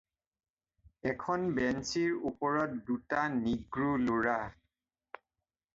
এখন বেঞ্চিৰ ওপৰত দুটা নীগ্ৰো ল'ৰা।